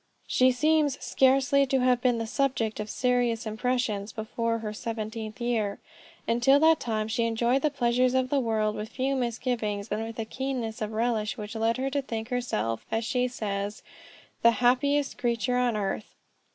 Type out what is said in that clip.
She seems scarcely to have been the subject of serious impressions before her seventeenth year. Until that time she enjoyed the pleasures of the world with few misgivings and with a keenness of relish which led her to think herself, as she says, "the happiest creature on earth."